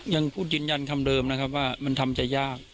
ยังพูดยืนยันคำเดิมนะครับว่ามันทำจะยาก